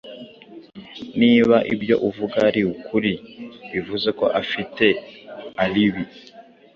Niba ibyo uvuga ari ukuri, bivuze ko afite alibi.